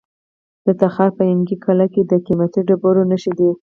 د تخار په ینګي قلعه کې د قیمتي ډبرو نښې دي.